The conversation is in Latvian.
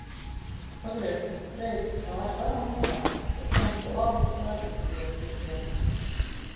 Pagriežos pa kreisi, pāri Barona ielai, pēc tam pa labi, Tērbatas ielas virzienā.